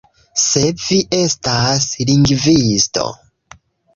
Se vi estas lingvisto